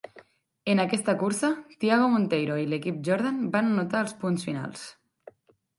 En aquesta cursa, Tiago Monteiro i l'equip Jordan van anotar els punts finals.